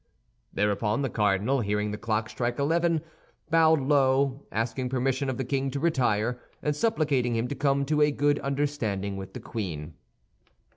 Thereupon the cardinal, hearing the clock strike eleven, bowed low, asking permission of the king to retire, and supplicating him to come to a good understanding with the queen.